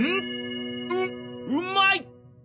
ううまい！